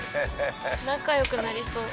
仲良くなりそう。